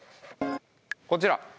こちら！